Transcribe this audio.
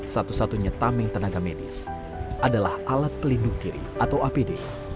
satu satunya tameng tenaga medis adalah alat pelindung kiri atau apd